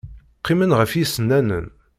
Qqimen ɣef yisennanen.